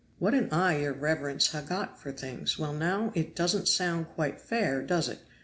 "What an eye your reverence ha' got for things! Well now it doesn't sound quite fair, does it?